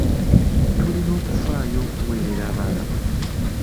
Tulina okufaayo okuweerera abaana baffe.